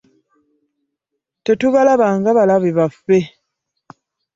“Tetubalaba nga balabe baffe"